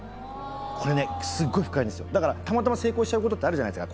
これねスゴい深いんですよだからたまたま成功しちゃうことってあるじゃないですか